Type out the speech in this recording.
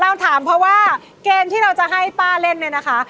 เราถามเพราะว่าเกมที่เราจะให้ป้าเล่นเนี่ยนะคะ